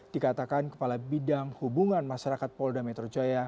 dikatakan kepala bidang hubungan masyarakat polda metro jaya